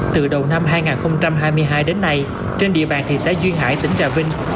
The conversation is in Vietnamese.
từ đầu năm hai nghìn hai mươi hai đến nay trên địa bàn thị xã duyên hải tỉnh trà vinh